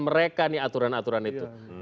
mereka nih aturan aturan itu